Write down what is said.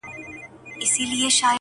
ستا د وعدې په توره شپه کي مرمه -